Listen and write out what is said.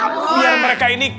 biar mereka ini kak